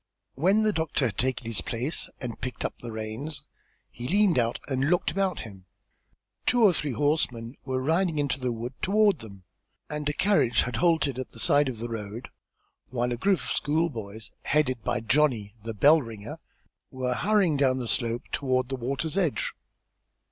When the doctor had taken his place and picked up the reins he leaned out and looked about him. Two or three horsemen were riding into the wood toward them, and a carriage had halted at the side of the road, while a group of schoolboys, headed by Johnny, the bell ringer, were hurrying down the slope toward the water's edge.